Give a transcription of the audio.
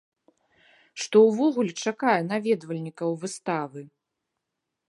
Што ўвогуле чакае наведвальнікаў выставы?